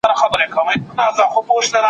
کمپيوټر رسټورانټ ښيي.